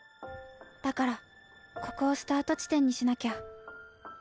だからここをスタートちてんにしなきゃ。